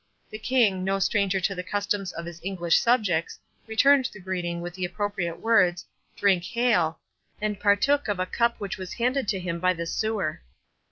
The King, no stranger to the customs of his English subjects, returned the greeting with the appropriate words, "Drinc hael", and partook of a cup which was handed to him by the sewer.